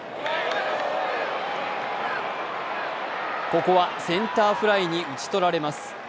ここはセンターフライに打ち取られます。